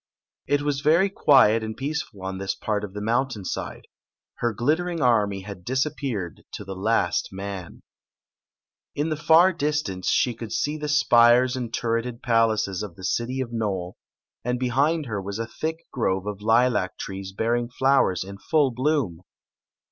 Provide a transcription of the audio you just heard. It was very quiet and peaceful on this part of the mountain side. Her glittering army had disappeared to the last man. In the far distance she could see the spires and i82 Queen Zixi of Ix; or, the turreted palaces of the city of Nole, and behind her was a thick grove of lilac trees bearing flowers in full bloom.